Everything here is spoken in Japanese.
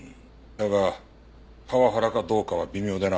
だがパワハラかどうかは微妙でな。